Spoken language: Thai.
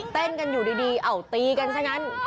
เต้นกันอยู่ดีเอาตีกันซะงั้น